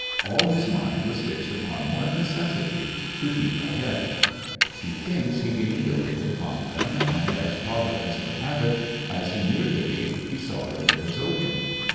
All his mind was fixed upon one necessity— to keep ahead ! He thinks he gained a little upon them, and, as Providence would have it, as he neared the gate he saw that it was open.